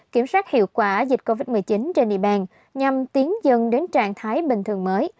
kiểm soát hiệu quả dịch covid một mươi chín trên địa bàn nhằm tiến dần đến trạng thái bình thường mới